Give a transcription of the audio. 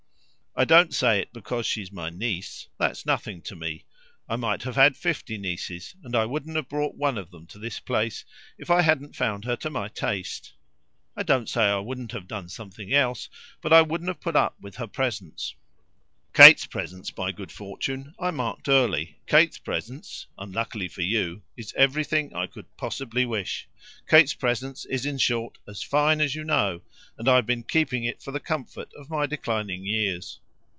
I don't say it because she's my niece that's nothing to me: I might have had fifty nieces, and I wouldn't have brought one of them to this place if I hadn't found her to my taste. I don't say I wouldn't have done something else, but I wouldn't have put up with her presence. Kate's presence, by good fortune, I marked early. Kate's presence unluckily for YOU is everything I could possibly wish. Kate's presence is, in short, as fine as you know, and I've been keeping it for the comfort of my declining years.